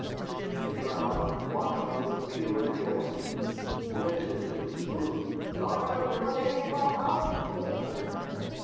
at which the crowd went wild with pure joy. Witticisms flew. "Thought ye was goin' to eat 'im up, Hump?" said a friend.